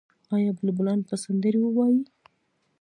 آیا بلبلان به سندرې ووايي؟